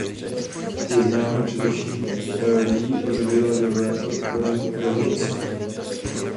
Je známý především teorií o době ledové a odporem k evoluci.